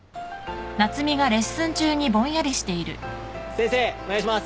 先生お願いします。